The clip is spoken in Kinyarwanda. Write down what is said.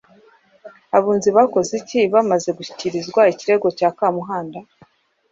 Abunzi bakoze iki bamaze gushyikirizwa ikirego cya Kamuhanda?